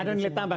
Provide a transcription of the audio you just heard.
ada nilai tambah